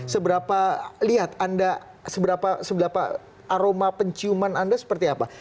seberapa lihat anda seberapa aroma penciuman anda seperti apa